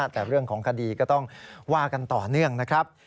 แต่เรื่องของคดีก็ต้องว่ากันต่อเนื่องนะครับ